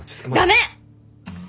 駄目！